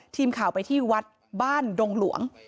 ทีมข่าวไปที่วัดบ้านดงหลวง